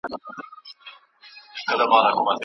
له ژوندونه ورک حساب وي بې پروا یو له زمانه.